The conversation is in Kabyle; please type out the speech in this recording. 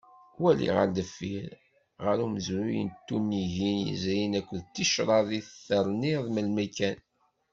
Wali ɣer deffir, ɣer umezruy n tunigin yezrin akked ticraḍ i terniḍ melmi kan.